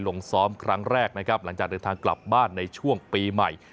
ลงซ้อมครั้งแรกนะครับหลังจากเดินทางกลับบ้านในช่วงปีใหม่